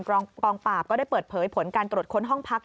กองปราบก็ได้เปิดเผยผลการตรวจค้นห้องพัก